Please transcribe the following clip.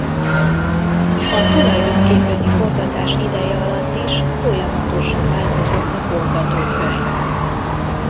A tulajdonképpeni forgatás ideje alatt is folyamatosan változott a forgatókönyv.